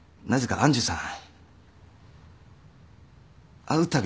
愛珠さん？